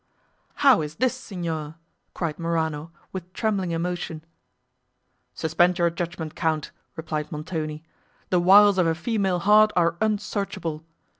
"How is this, Signor?" cried Morano, with trembling emotion. "Suspend your judgment, Count," replied Montoni, "the wiles of a female heart are unsearchable.